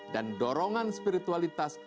dan dorongan spiritualitas